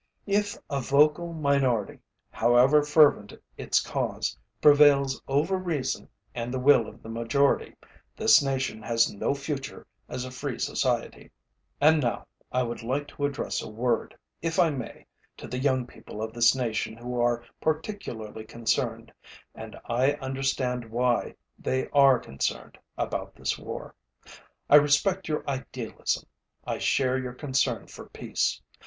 If a vocal minority, however fervent its cause, prevails over reason and the will of the majority, this nation has no future as a free society. And now, I would like to address a word, if I may, to the young people of this nation who are particularly concerned, and I understand why they are concerned, about this war. I respect your idealism. I share your concern for peace.